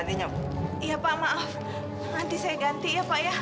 iya pak maaf nanti saya ganti ya pak ya